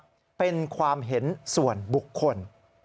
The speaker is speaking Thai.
ว่าเป็นความเห็นส่วนบุคคล